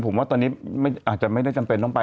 ผมว่าตอนนี้อาจจะไม่ได้จำเป็นต้องไป